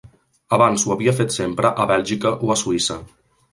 Abans ho havia fet sempre a Bèlgica o a Suïssa.